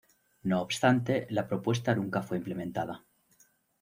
No obstante, la propuesta nunca fue implementada.